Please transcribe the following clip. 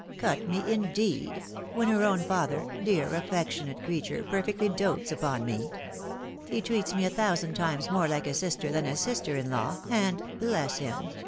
Cut me, indeed ! when her own father, dear affectionate creature, perfectly dotes upon me ! He treats me a thousand times more Hke a sister than a sister in law, and — bless him